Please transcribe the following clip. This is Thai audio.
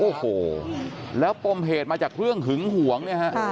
โอ้โหแล้วปมเหตุมาจากเรื่องหึงหวงเนี่ยฮะ